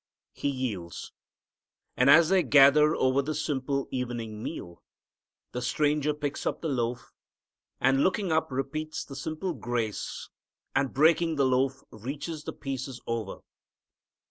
He yields. And, as they gather over the simple evening meal, the Stranger picks up the loaf, and looking up repeats the simple grace, and breaking the loaf reaches the pieces over.